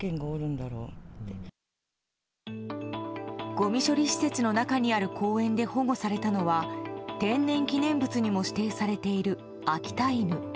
ごみ処理施設の中にある公園で保護されたのは天然記念物にも指定されている秋田犬。